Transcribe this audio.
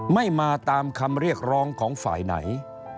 ไม่มาตามคำเรียกร้องของฝ่ายไหน